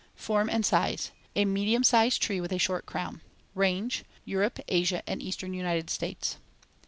Form and size: A medium sized tree with a short crown. Range: Europe, Asia, and eastern United States.